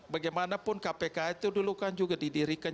bagaimanapun kpk itu dulu kan juga didirikan